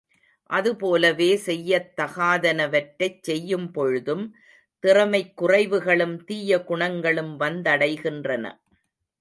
அதுபோலவே செய்யத்தகாதனவற்றைச் செய்யும் பொழுதும் திறமைக் குறைவுகளும் தீய குணங்களும் வந்தடைகின்றன.